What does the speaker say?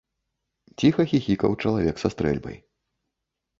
Ціха хіхікаў і чалавек са стрэльбай.